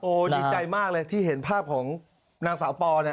ดีใจมากเลยที่เห็นภาพของนางสาวปอเนี่ย